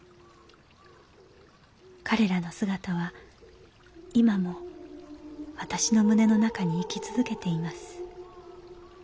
彼らの姿は今も私の胸の中に生き続けています。